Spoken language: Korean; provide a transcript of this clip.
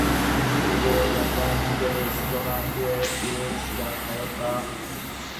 그리고 약간 기계를 수선한 후에 일을 시작하였다.